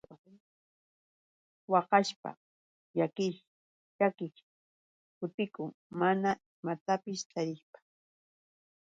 Waqashpa llakiish kutikun mana imatapis tarishpa.